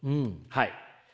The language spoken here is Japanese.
はい。